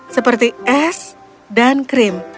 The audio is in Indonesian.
seperti es dan krim